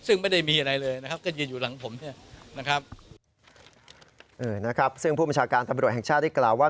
เอ่อนะครับซึ่งผู้ประชาการตำรวจแห่งชาติกล่าวว่า